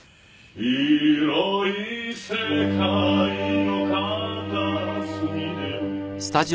「広い世界の片隅に」